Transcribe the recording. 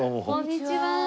こんにちは。